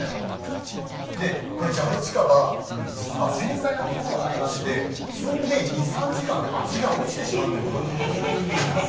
ジャボチカバ、実は繊細なところがありまして摘んで２、３時間で味が落ちてしまうということなんです。